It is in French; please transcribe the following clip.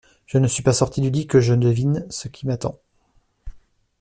Je ne suis pas sorti du lit que je devine ce qui m’attend.